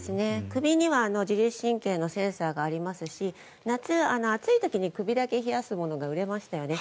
首には自律神経のセンサーがありますので夏、暑い時に首だけ冷やすものが売れましたよね。